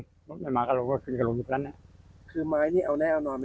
คือไม้นี่เอาแน่นอนไม่ได้